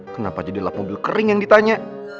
kenapa jadi lap mobil kering yang ditanya